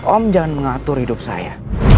om jangan mengatur hidup saya